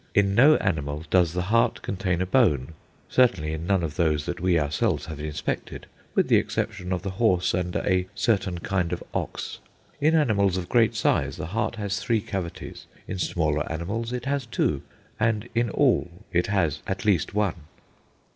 In no animal does the heart contain a bone, certainly in none of those that we ourselves have inspected, with the exception of the horse and a certain kind of ox. In animals of great size the heart has three cavities; in smaller animals it has two; and in all it has at least one."